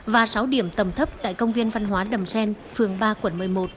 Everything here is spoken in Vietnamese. và sáu điểm tầm thấp tại công viên văn hóa đầm xen phường ba quận một mươi một